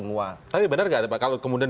pak tapi benar nggak pak kalau kemudian